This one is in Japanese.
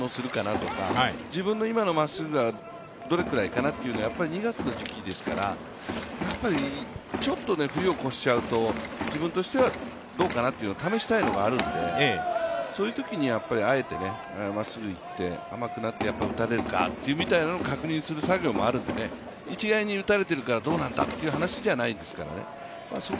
どういう反応するかなとか自分の今のまっすぐはどのくらいかなとか、２月の時期ですから、ちょっと冬を越しちゃうと自分としてはどうかなっていうのを試したいのがあるんでそういうときに、あえてまっすぐ行って、甘くなって打たれるかみたいなのを確認する作業もあるんで、一概に打たれているからどうなんだという話じゃないですからね。